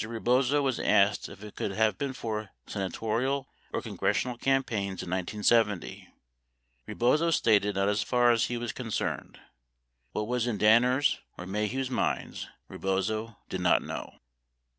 Rebozo was asked if it could have been for senatorial or congressional cam paigns in 1970. Rebozo stated not as far as he was concerned. What was in Danner's or Maheu's minds, Rebozo did not know.